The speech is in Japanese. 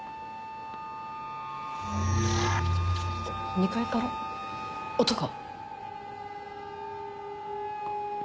２階から音が。